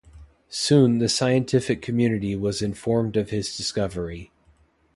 Soon the scientific community was informed of his discovery.